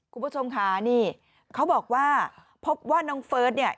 คุณผู้ชมค่ะนี่เขาบอกว่าพบว่าน้องเฟิร์สเนี่ย